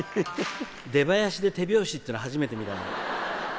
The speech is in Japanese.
出囃子で手拍子っていうの初めて見たね。